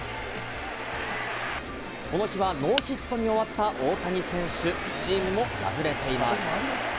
この日はノーヒットに終わった大谷選手、チームも敗れています。